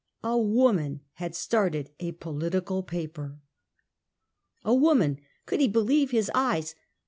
A woman had started a political paper! A woman! Could he believe his eyes?